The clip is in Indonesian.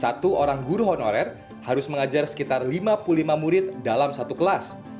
satu orang guru honorer harus mengajar sekitar lima puluh lima murid dalam satu kelas